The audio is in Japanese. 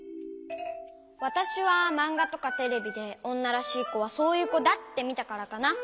わたしはまんがとかテレビでおんならしいこはそういうこだってみたからかな。